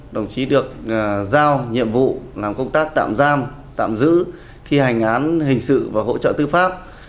đồng chí được giao nhiệm vụ làm công tác tạm giam tạm giữ thi hành án hình sự và hỗ trợ tư pháp